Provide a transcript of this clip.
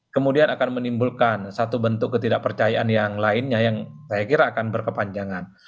kemudian akan menimbulkan satu bentuk ketidakpercayaan yang lainnya yang saya kira akan berkepanjangan